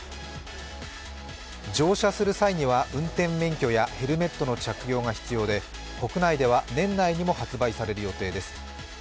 乗車する際には運転免許やヘルメットの着用が必要で国内では年内にも発売される予定です。